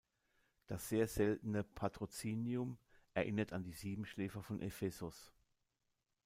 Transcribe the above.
Das sehr seltene Patrozinium erinnert an die Siebenschläfer von Ephesos.